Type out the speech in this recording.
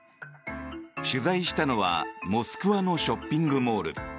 取材したのはモスクワのショッピングモール。